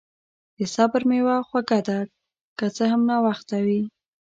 د صبر میوه خوږه ده، که څه هم ناوخته وي.